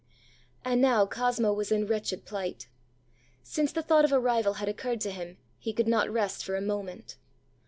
And now Cosmo was in wretched plight. Since the thought of a rival had occurred to him, he could not rest for a moment.